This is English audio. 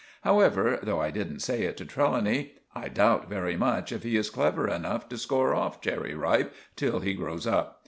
However, though I didn't say it to Trelawny, I doubt very much if he is clever enough to score off Cherry Ripe till he grows up.